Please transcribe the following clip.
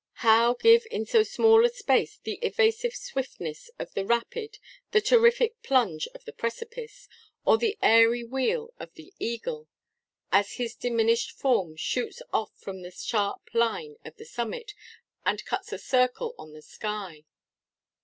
How give in so small a space the evasive swiftness of the rapid, the terrific plunge of the precipice, or the airy wheel of the eagle, as his diminished form shoots off from the sharp line of the summit, and cuts a circle on the sky!